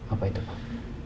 apa itu pak